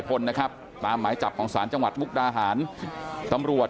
คนนะครับตามหมายจับของศาลจังหวัดมุกดาหารตำรวจ